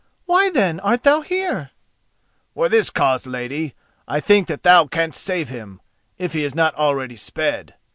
"Why, then, art thou here?" "For this cause, lady: I think that thou canst save him, if he is not already sped."